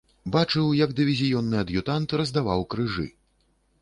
Бачыў, як дывізіённы ад'ютант раздаваў крыжы.